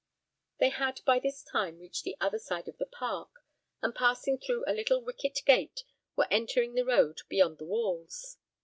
They had by this time reached the other side of the park, and passing through a little wicket gate, were entering the road beyond the walls.